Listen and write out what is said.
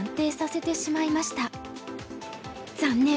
残念！